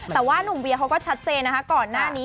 แต่ว่านุ่มเวียเขาก็ชัดเจนนะคะก่อนหน้านี้